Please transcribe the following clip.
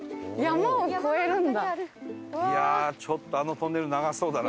いやあちょっとあのトンネル長そうだな。